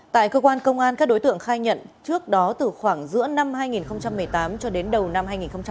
tại cơ quan công an các đối tượng khai nhận trước đó từ khoảng giữa năm hai nghìn một mươi tám cho đến đầu năm hai nghìn một mươi chín